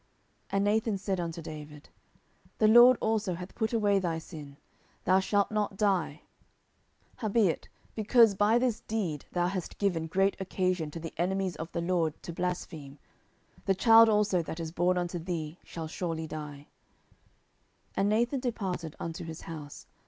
And Nathan said unto David, The LORD also hath put away thy sin; thou shalt not die. 10:012:014 Howbeit, because by this deed thou hast given great occasion to the enemies of the LORD to blaspheme, the child also that is born unto thee shall surely die. 10:012:015 And Nathan departed unto his house.